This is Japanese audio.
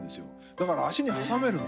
だから足に挟めるの。